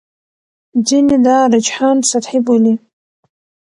ځینې دا رجحان سطحي بولي.